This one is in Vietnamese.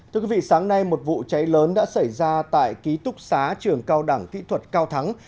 thưa quý vị sáng nay một vụ cháy lớn đã xảy ra tại ký túc xá trường cao đẳng kỹ thuật cao thắng